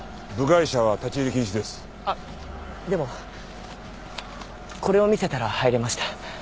あっでもこれを見せたら入れました。